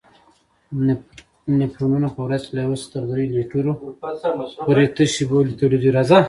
نفرونونه په ورځ کې له یو څخه تر دریو لیترو پورې تشې بولې تولیدوي.